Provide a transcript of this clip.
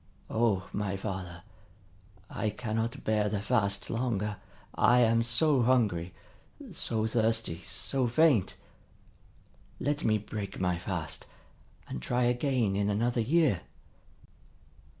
O my father, I cannot bear the fast longer! I am so hungry, so thirsty, so faint! Let me break my fast, and try again in another year."